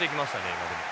今でも。